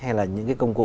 hay là những cái công cụ